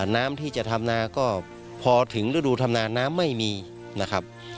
น้ำที่จะทำนาก็พอถึงฤดูธรรมนาน้ำไม่มีนะครับ